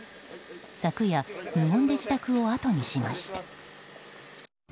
昨夜、無言で自宅をあとにしました。